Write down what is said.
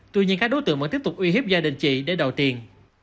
tuy nhiên các đối tượng vẫn tiếp tục uy hiếp gia đình chị để đòi tiền